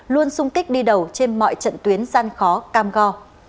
luôn sung kích đi đầu trên mọi trận tuyến gian khó cam go